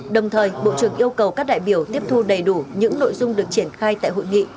đồng thời bộ trưởng yêu cầu các đại biểu tiếp thu đầy đủ những nội dung được triển khai tại hội nghị